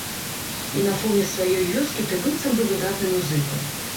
І на фоне сваёй вёскі ты быццам бы выдатны музыка.